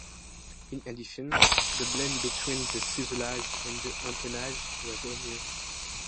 In addition, the blend between the fuselage and the empennage was all new.